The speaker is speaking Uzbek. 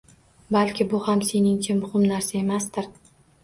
Balki bu ham seningcha muhim narsa emasdir?